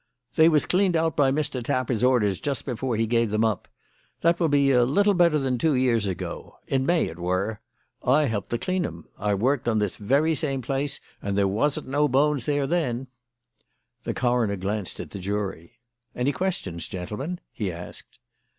"They was cleaned out by Mr. Tapper's orders just before he gave them up. That will be a little better than two years ago. In May it were. I helped to clean 'em. I worked on this very same place and there wasn't no bones there then." The coroner glanced at the jury. "Any questions, gentlemen?" he asked.